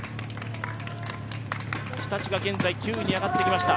日立が現在９位に上がってきました